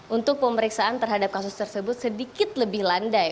untuk pemeriksaan terhadap kasus tersebut sedikit lebih landai